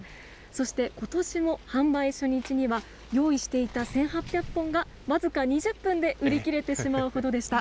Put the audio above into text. そしてことしも販売初日には、用意していた１８００本が僅か２０分で売り切れてしまうほどでした。